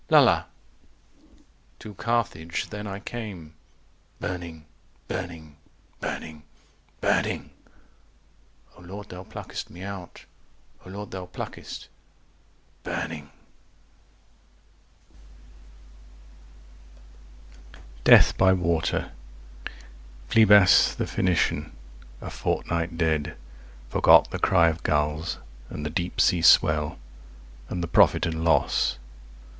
305 la la To Carthage then I came Burning burning burning burning O Lord Thou pluckest me out O Lord Thou pluckest 310 burning IV. DEATH BY WATER Phlebas the Phoenician, a fortnight dead, Forgot the cry of gulls, and the deep seas swell And the profit and loss.